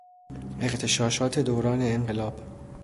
اغتشاشات دوران انقلاب